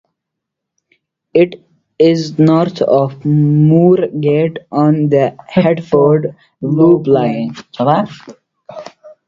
It is north of Moorgate on the Hertford Loop Line.